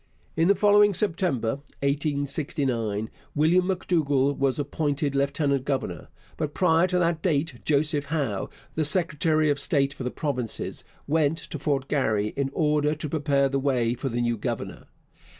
In the following September (1869) William M'Dougall was appointed lieutenant governor, but prior to that date Joseph Howe, the secretary of state for the provinces, went to Fort Garry in order to prepare the way for the new governor.